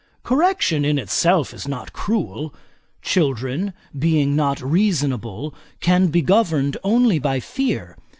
Correction, in itself, is not cruel; children, being not reasonable, can be governed only by fear.